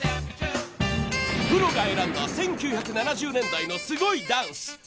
プロが選んだ１９７０年代のすごいダンス。